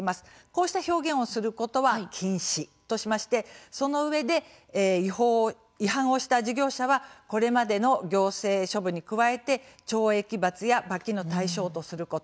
こうした表現をすることは禁止としましてそのうえで違反をした事業者はこれまでの行政処分に加えて懲役罰や罰金の対象とすること。